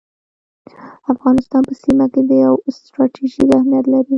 افغانستان په سیمه کي یو ستراتیژیک اهمیت لري